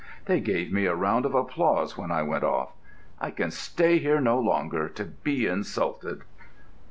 They gave me a round of applause when I went off. I can stay here no longer, to be insulted."